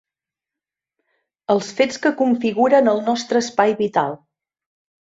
Els fets que configuren el nostre espai vital.